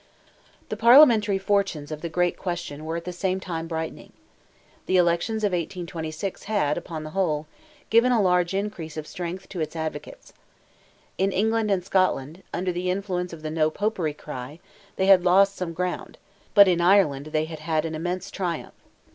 The Parliamentary fortunes of the great question were at the same time brightening. The elections of 1826, had, upon the whole, given a large increase of strength to its advocates. In England and Scotland, under the influence of the "No Popery" cry, they had lost some ground, but in Ireland they had had an immense triumph.